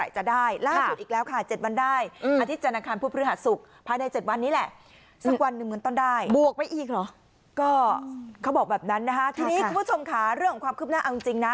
ทีนี้คุณผู้ชมขาเรื่องความคืบหน้าเอาจริงนะ